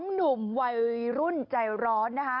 ๒หนุ่มวัยรุ่นใจร้อน